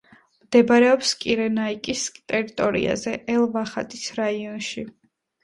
მდებარეობს კირენაიკის ტერიტორიაზე, ელ-ვახატის რაიონში.